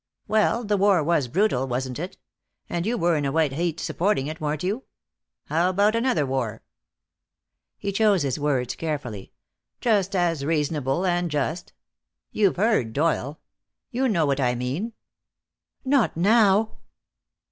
"Well, the war was brutal, wasn't it? And you were in a white heat supporting it, weren't you? How about another war," he chose his words carefully "just as reasonable and just? You've heard Doyle. You know what I mean." "Not now!"